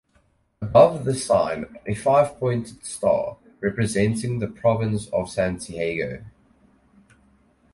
Above this sign, a five pointed star, representing the Province of Santiago.